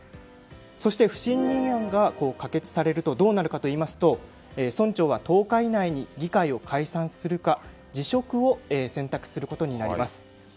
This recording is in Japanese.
そして、不信任案が可決されるとどうなるかというと村長は１０日以内に議会を解散するか辞職を選択することになります。